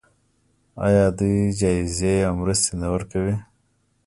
آیا دوی جایزې او مرستې نه ورکوي؟